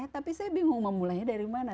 tapi saya bingung mau mulainya dari mana